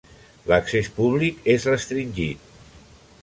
L'accés públic és restringit.